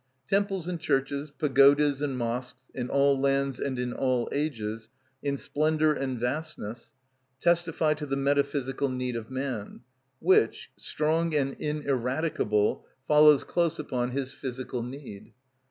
Temples and churches, pagodas and mosques, in all lands and in all ages, in splendour and vastness, testify to the metaphysical need of man, which, strong and ineradicable, follows close upon his physical need.